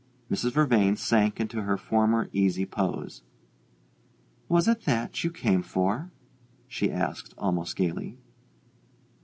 Mrs. Vervain sank into her former easy pose. "Was it that you came for?" she asked, almost gaily.